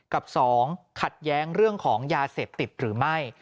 กับ๒ขัดแย้งเรื่องของยาเสพติดหรือไม่